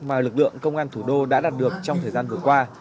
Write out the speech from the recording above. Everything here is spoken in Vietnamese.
mà lực lượng công an thủ đô đã đạt được trong thời gian vừa qua